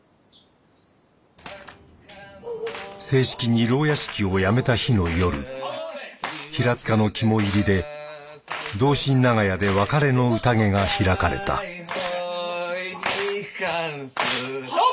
正式に牢屋敷をやめた日の夜平塚の肝煎りで同心長屋で別れの宴が開かれたはっ！